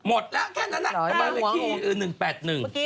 หมดแล้วแค่นั้นนะประมาณที่๑๘๑